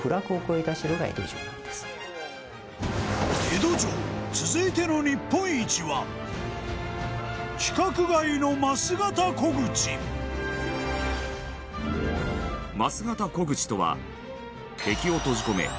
江戸城、続いての日本一は規格外の枡形虎口枡形虎口とは、敵を閉じ込め